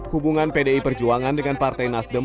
hubungan pdi perjuangan dengan partai nasdem